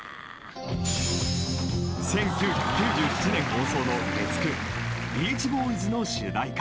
［１９９７年放送の月９『ビーチボーイズ』の主題歌］